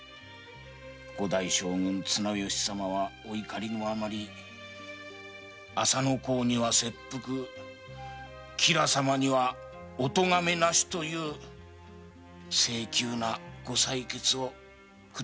五代将軍・綱吉様はお怒りのあまり浅野侯には切腹吉良様にはおとがめなしという性急なご裁決を下されました。